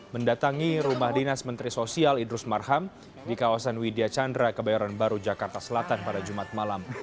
mendatangi rumah dinas menteri sosial idrus marham di kawasan widya chandra kebayoran baru jakarta selatan pada jumat malam